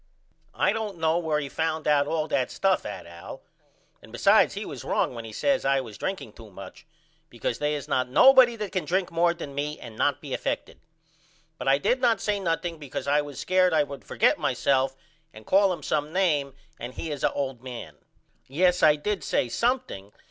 I don't know where he found out all that stuff at Al and besides he was wrong when he says I was drinking to much because they is not nobody that can drink more than me and not be effected. But I did not say nothing because I was scared I would forget myself and call him some name and he is a old man. Yes I did say something.